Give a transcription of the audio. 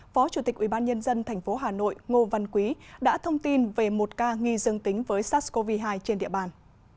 phó chủ tịch ubnd tp hà nội ngô văn quý đã thông tin về một ca nghi dương tính với sars cov hai trên địa bàn